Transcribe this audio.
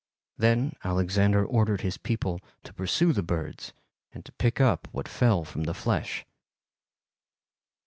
Then Alexander ordered his people to pursue the birds and to pick up what fell from the flesh."